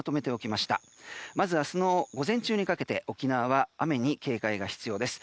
まず、明日の午前中にかけて沖縄は雨に警戒が必要です。